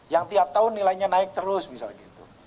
yang tiap tahun nilainya naik terus misalnya gitu